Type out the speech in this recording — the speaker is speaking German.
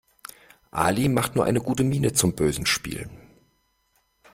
Ali macht nur eine gute Miene zum bösen Spiel.